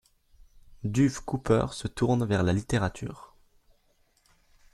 Duff Cooper se tourne vers la littérature.